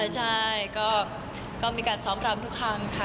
ใช่ก็มีการซ้อมอรัมณ์ทุกครั้งค่ะ